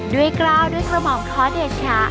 ด้วยกราวด้วยขระหมองขอเดชค่ะ